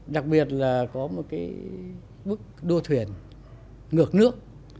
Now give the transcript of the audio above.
đặc biệt là có một cái bức đua thuyền ngược nước